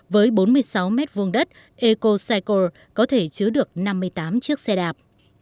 với bốn mươi sáu mét vuông đất ecocycle có thể chứa được năm mươi tám chiếc xe đạp